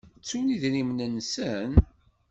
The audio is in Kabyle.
Ttun idrimen-nsen?